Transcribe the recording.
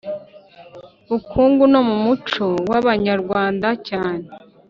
bukungu no mu muco w Abanyarwanda cyane